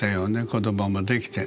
子どももできて。